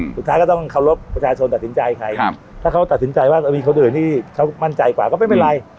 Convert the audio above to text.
สุดท้ายก็ต้องเคารพประชาชนตัดสินใจใครถ้าเขาตัดสินใจว่ามีคนอื่นที่เขามั่นใจกว่าก็ไม่เป็นไร